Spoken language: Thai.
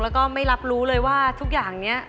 แล้วก็ไม่รับรู้เลยว่าทุกอย่างนี้